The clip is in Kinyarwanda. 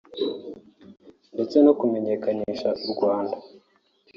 ndetse no kumenyekanisha u Rwanda